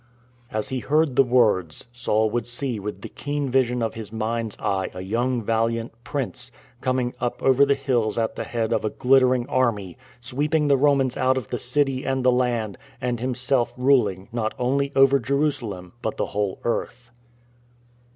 As he heard the words, Saul would see with the keen vision of his mind's eye a young valiant Prince, com ing up over the hills at the head of a glittering army, sweeping the Romans out of the city and the land, and himself ruling, not only over Jerusalem, but the whole earth.